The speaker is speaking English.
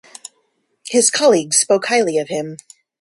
His colleagues spoke highly of him.